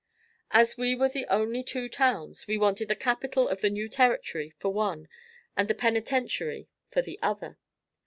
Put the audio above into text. As we were the only two towns, we wanted the capitol of the new territory for one and the penitentiary for the other.